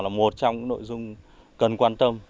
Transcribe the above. là một trong nội dung cần quan tâm